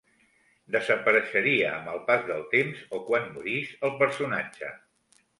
Desapareixeria amb el pas del temps o quan morís el personatge.